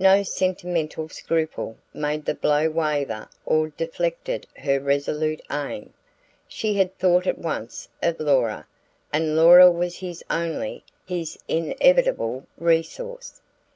No sentimental scruple made the blow waver or deflected her resolute aim. She had thought at once of Laura, and Laura was his only, his inevitable, resource.